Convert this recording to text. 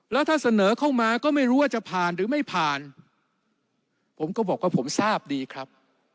แล้วถ้าเสนอเข้ามาก็ไม่รู้ว่าจะผ่านหรือไม่ผ่านผมก็บอกว่าผมทราบดีครับ